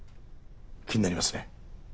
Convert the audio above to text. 気になりますね。